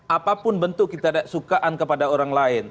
apapun bentuk kita sukaan kepada orang lain